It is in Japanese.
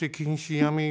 やめよう